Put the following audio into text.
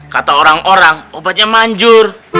kata orang orang obatnya manjur